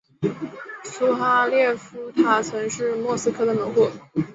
苏哈列夫塔曾是莫斯科的门户。